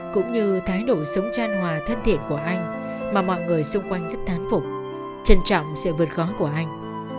cũng như thái độ sống tran hòa thân thiện của anh mà mọi người xung quanh rất thán phục trân trọng sự vượt khó của anh